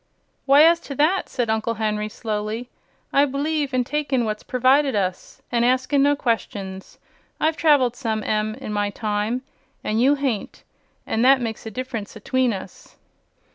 "Why, as to that," said Uncle Henry, slowly, "I b'lieve in takin' what's pervided us, an' askin' no questions. I've traveled some, Em, in my time, and you hain't; an' that makes a difference atween us."